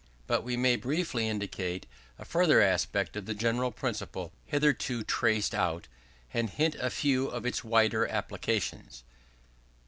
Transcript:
But we may briefly indicate a further aspect of the general principle hitherto traced out, and hint a few of its wider applications.